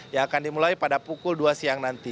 yang akan dimulai pada pukul dua siang nanti